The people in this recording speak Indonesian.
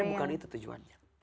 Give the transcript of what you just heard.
karena bukan itu tujuannya